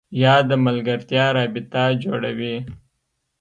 یا د ملګرتیا رابطه جوړوي